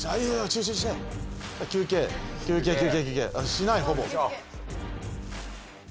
しないほぼ。